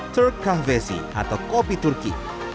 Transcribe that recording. turk cafesi atau kopi turki